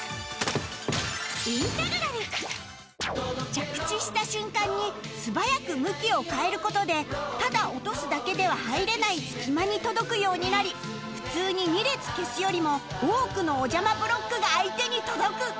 着地した瞬間に素早く向きを変える事でただ落とすだけでは入れない隙間に届くようになり普通に２列消すよりも多くのおじゃまブロックが相手に届く